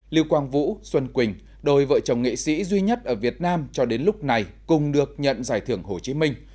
lưu quang vũ xuân quỳnh đôi vợ chồng nghệ sĩ duy nhất ở việt nam cho đến lúc này cùng được nhận giải thưởng hồ chí minh